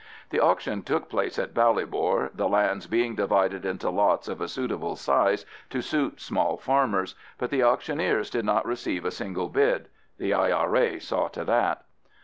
The auction took place in Ballybor, the lands being divided into lots of a suitable size to suit small farmers; but the auctioneers did not receive a single bid—the I.R.A. saw to that.